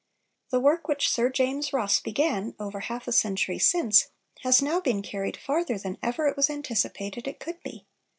The work which Sir James Ross began, over half a century since, has now been carried farther than ever it was anticipated it could be.